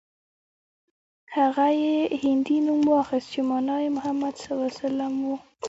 هغه يې هندي نوم واخيست چې مانا يې محمد و.